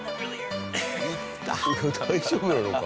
大丈夫なのか？